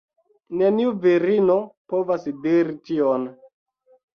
Neniu virino povas diri tion